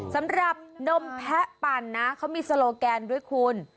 สำหรับนมแพะปั่นนะเขามีโลแกนด้วยคุณ